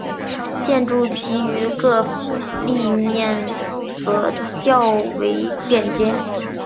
建筑其余各立面则较为简洁。